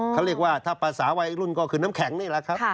เขาเรียกว่าถ้าภาษาวัยรุ่นก็คือน้ำแข็งนี่แหละครับ